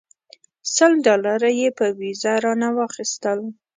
سل ډالره یې په ویزه رانه واخیستل.